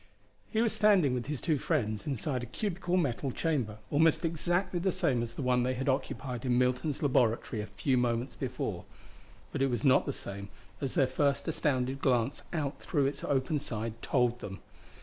He was standing with his two friends inside a cubical metal chamber almost exactly the same as the one they had occupied in Milton's laboratory a few moments before. But it was not the same, as their first astounded glance out through its open side told them.